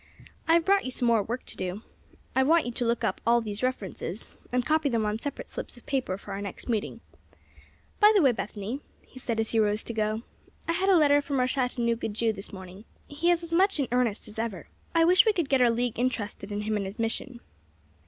I've brought you some more work to do. I want you to look up all these references, and copy them on separate slips of paper for our next meeting. By the way, Bethany," he said, as he rose to go, "I had a letter from our Chattanooga Jew this morning. He is as much in earnest as ever. I wish we could get our League interested in him and his mission."